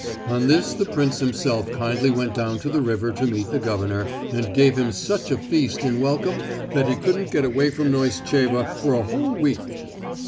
On this the prince himself kindly went down to the river to meet the Governor, and gave him such a feast in welcome that he couldn't get away from Pneestcheva for a whole week.